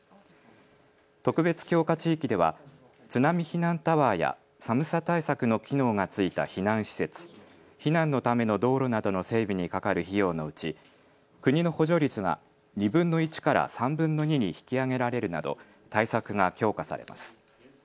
特別強化地域では津波避難タワーや寒さ対策の機能がついた避難施設、避難のための道路などの整備にかかる費用のうち国の補助率が２分の１から３分の２に引き上げられるなど対策が強化されます。